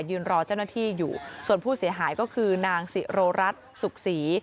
ยืนรอเจ้าหน้าที่อยู่ส่วนผู้เสียหายก็คือนางสิโรรัสสุขศรี